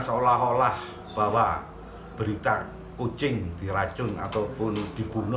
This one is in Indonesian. seolah olah bahwa berita kucing diracun ataupun dibunuh